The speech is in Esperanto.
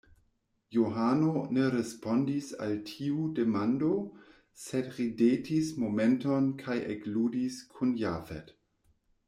Johano ne respondis al tiu demando, sed ridetis momenton kaj ekludis kun Jafet.